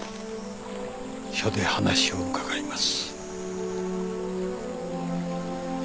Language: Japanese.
署で話を伺います。